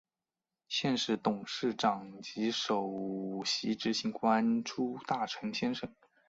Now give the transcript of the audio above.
现时董事长及首席执行官朱大成先生。